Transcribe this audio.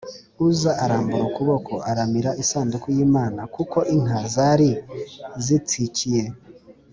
Uza arambura ukuboko kuramira isanduku y’Imana kuko inka zari zitsikiye.